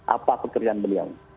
apa pekerjaan beliau